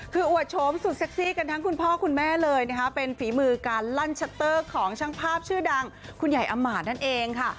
คืออวดโฉมสุดเซ็กซี่กันทั้งคุณพ่อคุณแม่เลยนะคะเป็นฝีมือการลั่นชัตเตอร์ของช่างภาพชื่อดังคุณใหญ่อำมาตนั่นเองค่ะ